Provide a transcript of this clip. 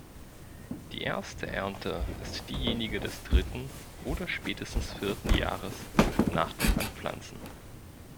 Die erste Ernte ist diejenige des dritten oder spätestens vierten Jahres nach dem Anpflanzen.